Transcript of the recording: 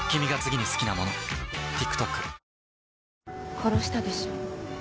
殺したでしょ？